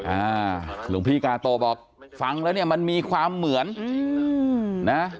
หลวงพี่กาโตบอกฟังแล้วเนี่ยมันมีความเหมือนอืมนะ